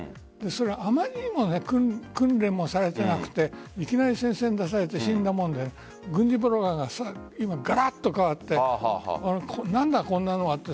あまりにも訓練もされていなくていきなり戦線に出されて死んだもので軍事ブロガーがガラッと変わって何だこんなのはと。